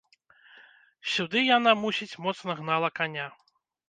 Сюды яна, мусіць, моцна гнала каня.